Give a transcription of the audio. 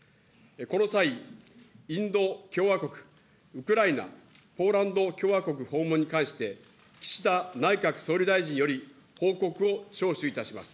この際、インド共和国、ウクライナ、ポーランド共和国訪問に関して、岸田内閣総理大臣より報告を聴取いたします。